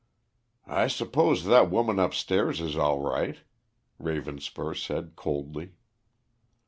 "I suppose that woman upstairs is all right," Ravenspur said coldly.